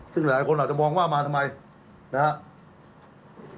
ซึ่งหลายคนอาจจะมองว่ามาทำไมนะครับ